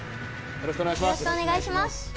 よろしくお願いします。